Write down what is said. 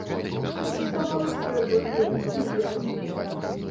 Даставаў з торбы хлеб і еў.